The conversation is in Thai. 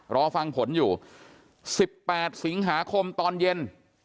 รอฟังผลอยู่๑๘สิงหาคมตอนเย็น